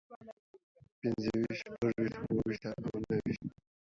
پنځه ويشتمو، شپږ ويشتمو، اووه ويشتمو، نهه ويشتمو